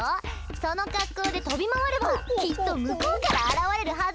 その格好で飛び回ればきっと向こうから現れるはずだって！